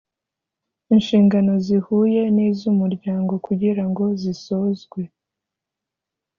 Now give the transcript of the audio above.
inshingano zihuye n’iz’umuryango kugirango zisozwe